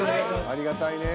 ありがたいね。